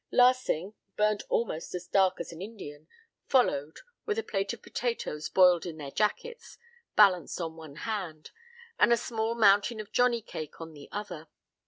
Larsing, burnt almost as dark as an Indian, followed with a plate of potatoes boiled in their jackets balanced on one hand, and a small mountain of johnny cake on the other.